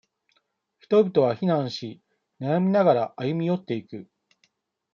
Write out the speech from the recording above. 人々は非難し、悩みながら、歩み寄っていく。